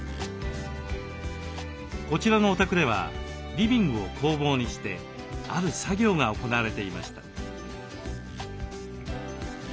こちらのお宅ではリビングを工房にしてある作業が行われていました。